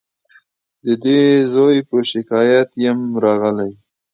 د دې زوی په شکایت یمه راغلې